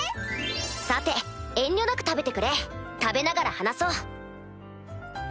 さて遠慮なく食べてくれ食べながら話そう。